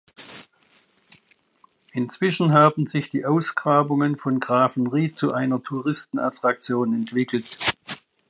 Inzwischen haben sich die Ausgrabungen von Grafenried zu einer Touristenattraktion entwickelt.